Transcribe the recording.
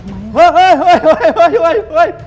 เฮ้ย